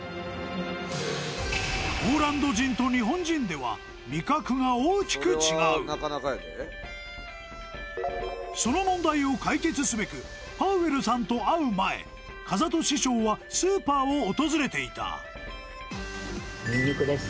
ポーランド人と日本人では味覚が大きく違うその問題を解決すべくパウエルさんと会う前風戸師匠はスーパーを訪れていたニンニクです